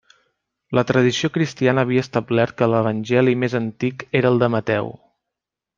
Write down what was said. La tradició cristiana havia establert que l'evangeli més antic era el de Mateu.